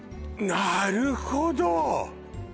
なるほど！